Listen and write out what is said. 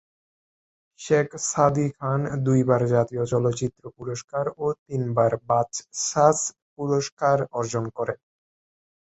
শেখ সাদী খান দুই বার জাতীয় চলচ্চিত্র পুরস্কার ও তিনবার বাচসাস পুরস্কার অর্জন করেন।